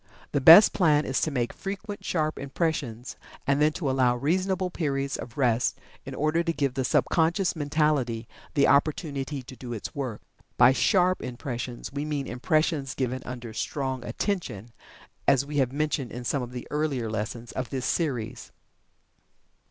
The best plan is to make frequent, sharp impressions, and then to allow reasonable periods of rest in order to give the sub conscious mentality the opportunity to do its work. By "sharp" impressions we mean impressions given under strong attention, as we have mentioned in some of the earlier lessons of this series.